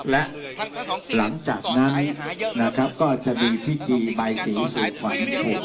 และหลังจากนั้นนะครับก็จะมีพิธีใบสีสู่ควัญ๖ข้อต่อแคส